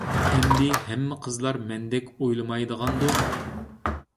ئەمدى ھەممە قىزلار مەندەك ئويلىمايدىغاندۇ.